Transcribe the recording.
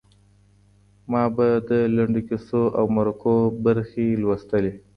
ما به د لنډو کیسو او مرکو برخې لوستلې.